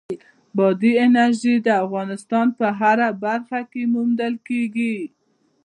بادي انرژي د افغانستان په هره برخه کې موندل کېږي.